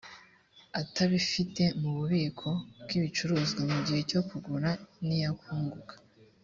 atabifite mu bubiko bw ibicuruzwa mu gihe cyo kugura niyakunguka